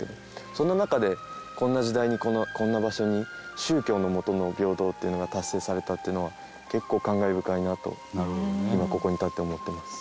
その中でこんな時代にこんな場所に宗教の下の平等っていうのが達成されたっていうのは結構感慨深いなと今ここに立って思ってます。